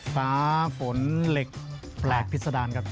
ฟ้าฝนเหล็กแปลกพิษดารครับ